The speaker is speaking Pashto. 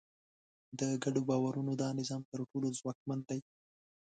د ګډو باورونو دا نظام تر ټولو ځواکمن دی.